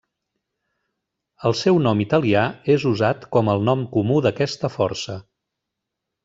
El seu nom italià és usat com el nom comú d'aquesta força.